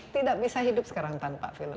tidak bisa hidup sekarang tanpa film